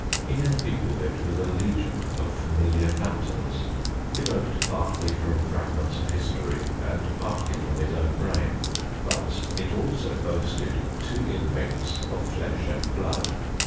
He had peopled it with a legion of familiar phantoms, evoked partly from fragments of history and partly from his own brain, but it also boasted two inmates of flesh and blood.